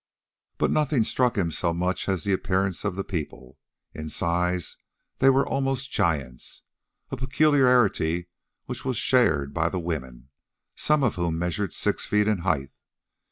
But nothing struck him so much as the appearance of the people. In size they were almost giants, a peculiarity which was shared by the women, some of whom measured six feet in height.